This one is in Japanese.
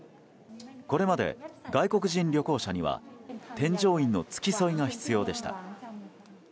これまで外国人旅行者には添乗員の付き添いが必要でした。